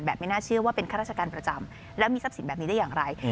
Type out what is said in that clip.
ไม่น่าเชื่อว่าเป็นข้าราชการประจำแล้วมีทรัพย์สินแบบนี้ได้อย่างไร